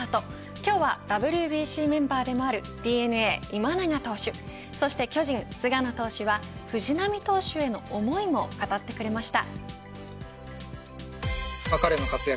今日は、ＷＢＣメンバーでもあるＤｅＮＡ今永投手そして巨人、菅野投手は藤浪投手への思いを語ってくれました。